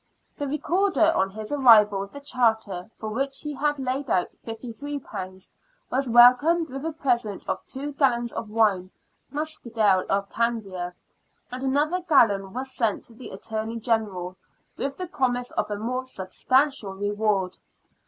The Recorder, on his arrival with the charter — for which he had laid out ;^53 — was welcomed with a present of two gallons of wine (Muscadel of Candia), and another gallon was sent to the Attorney General, with the promise of a more substantial reward.